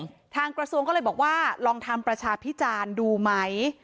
ทางกระทรวงก็เลยบอกว่าลองทำประชาพิจารณ์ดูไหม